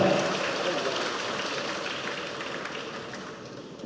yang ketiga konsekuensinya adalah